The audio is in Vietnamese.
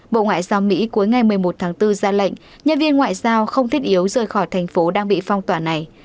bộ ngoại giao mỹ cuối ngày một mươi một tháng bốn ra lệnh nhân viên ngoại giao không thiết yếu rời khỏi thành phố đang bị phong tỏa này